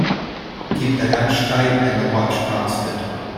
Keep the hatch tight and the watch constant.